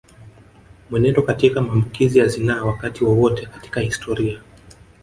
Mwenendo katika maambukizi ya zinaa Wakati wowote katika historia